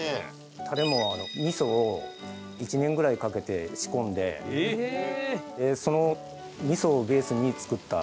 タレも味噌を１年ぐらいかけて仕込んでその味噌をベースに作ったタレです。